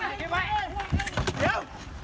ขับขึ้นเร็ว